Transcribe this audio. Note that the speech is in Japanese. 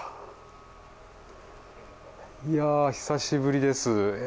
いやあ、久しぶりです。